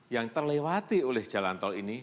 yang terlewati oleh jalan tol ini